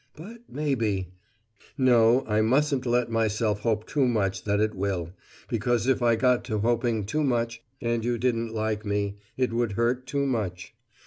But maybe No, I mustn't let myself hope too much that it will, because if I got to hoping too much, and you didn't like me, it would hurt too much.